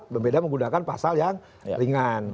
berbeda menggunakan pasal yang ringan